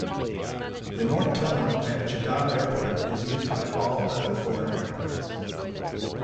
The North Terminal at Jeddah airport is used by all other foreign airlines.